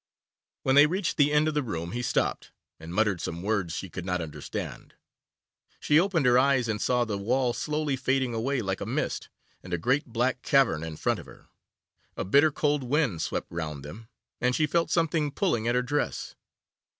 When they reached the end of the room he stopped, and muttered some words she could not understand. She opened her eyes, and saw the wall slowly fading away like a mist, and a great black cavern in front of her. A bitter cold wind swept round them, and she felt something pulling at her dress.